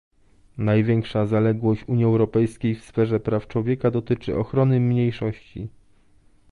Największa zaległość Unii Europejskiej w sferze praw człowieka dotyczy ochrony mniejszości